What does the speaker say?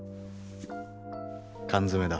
缶詰だ。